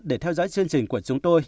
để theo dõi chương trình của chúng tôi